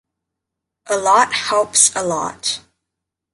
A lot helps a lot.